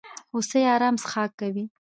هوسۍ ارام څښاک کوي.